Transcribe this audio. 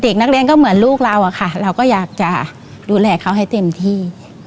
เด็กนักเรียนก็เหมือนลูกเราอะค่ะเราก็อยากจะดูแลเขาให้เต็มที่